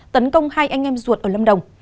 tấn công hai anh em ruột ở lâm đồng